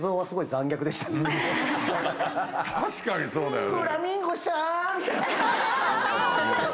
確かにそうだよね。